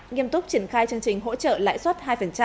nghiêm túc triển khai chương trình hỗ trợ lãi suất hai